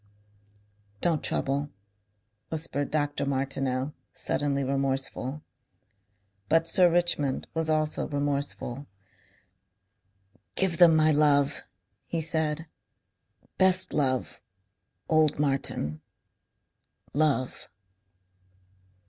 "Don't trouble," whispered Dr. Martineau, suddenly remorseful. But Sir Richmond was also remorseful. "Give them my love," he said. "Best love...Old Martin. Love."